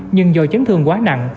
nhưng do chấn thương quá nặng